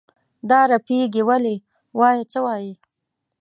دا رپېږې ولې؟ وایه څه وایې؟